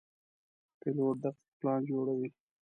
پیلوټ دقیق پلان جوړوي.